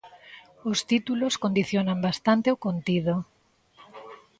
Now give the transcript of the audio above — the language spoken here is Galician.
Os títulos condicionan bastante o contido.